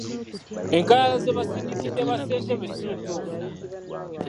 Enkalala ze baasindikidde bassentebe si ntuufu.